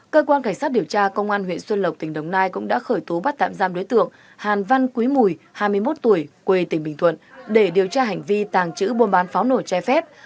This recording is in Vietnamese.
cơ quan cảnh sát điều tra công an huyện xuân lộc tỉnh đồng nai cũng đã khởi tố bắt tạm giam đối tượng hàn văn quý mùi hai mươi một tuổi quê tỉnh bình thuận để điều tra hành vi tàng trữ buôn bán pháo nổi trái phép